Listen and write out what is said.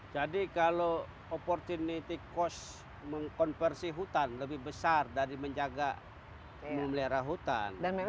jadi kalau opportunity cost mengkonversi hutan lebih besar dari menjaga bumi melera hutan benefitnya